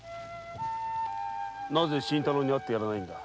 なぜ新太郎に会ってやらないのだ？